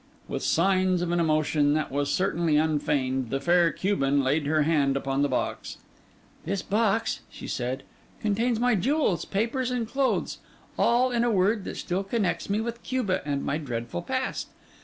With signs of an emotion that was certainly unfeigned, the fair Cuban laid her hand upon the box. 'This box,' she said, 'contains my jewels, papers, and clothes; all, in a word, that still connects me with Cuba and my dreadful past.